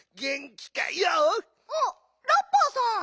あっラッパーさん！